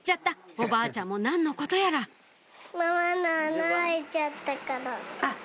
おばあちゃんも何のことやら「え！